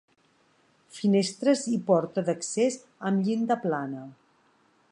Finestres i porta d'accés amb llinda plana.